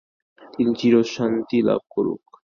তিনি চিরশান্তি লাভ করুক।